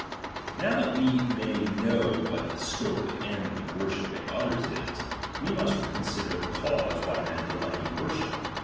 Now that we may know what the scope and^"*'^ end of worshipping others is, we must consider the cause why men delight in worship.